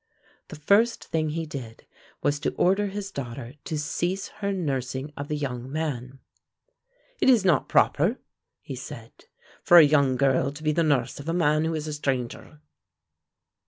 The first thing he did was to order his daughter to cease her nursing of the young man. "It is not proper," he said, "for a young girl to be the nurse of a man who is a stranger."